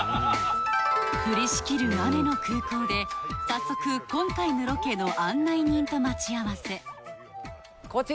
降りしきる雨の空港で早速今回のロケの案内人と待ち合わせあれ？